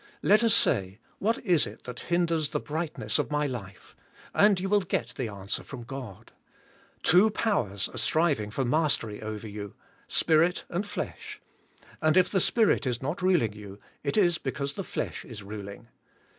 Let us say, what, is it that hinders the brig htness of my life? and you will g et the answer from God. Two powers are striving for mastery over you, Spirit and flesh; and if the Spirit is not ruling you it is be cause the flesh is ruling